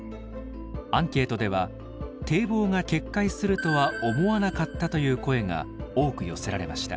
アンケートでは「堤防が決壊するとは思わなかった」という声が多く寄せられました。